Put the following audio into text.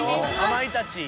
かまいたち。